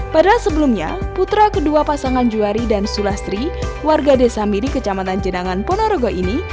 padahal sebelumnya putra kedua pasangan juari dan sulastri warga desa miri kecamatan jenangan ponorogo ini